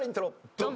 ドン！